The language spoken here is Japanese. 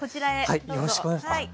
よろしくお願いします。